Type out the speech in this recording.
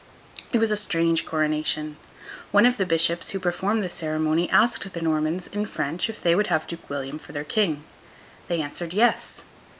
It was a strange coronation. One of the bishops who performed the ceremony asked the Normans, in French, if they would have Duke William for their king? They answered Yes.